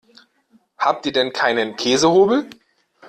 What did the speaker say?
Habt ihr denn keinen Käsehobel?